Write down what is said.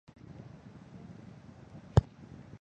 富热罗勒人口变化图示